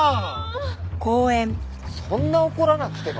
そんな怒らなくても。